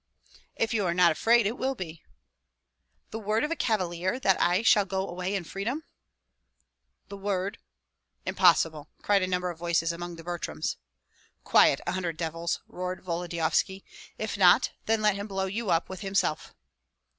"If you are not afraid, it will be." "The word of a cavalier that I shall go away in freedom?" "The word " "Impossible!" cried a number of voices among the Butryms. "Quiet, a hundred devils!" roared Volodyovski; "if not, then let him blow you up with himself."